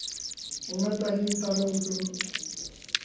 緒方林太郎君。